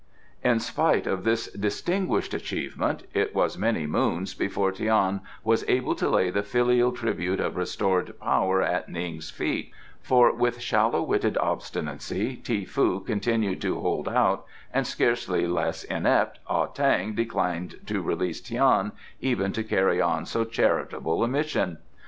In spite of this distinguished achievement it was many moons before Tian was able to lay the filial tribute of restored power at Ning's feet, for with shallow witted obstinacy Ti foo continued to hold out, and, scarcely less inept, Ah tang declined to release Tian even to carry on so charitable a mission.